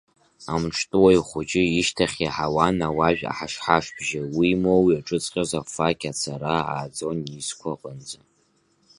Амҿтәы Уаҩхәыҷы ишьҭахь иаҳауан алажә аҳашҳашбжьы, уимоу иаҿыҵҟьоз афақь ацара ааӡон изқәа аҟынӡа.